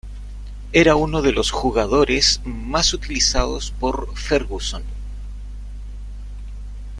Era uno de los jugadores más utilizados por Ferguson.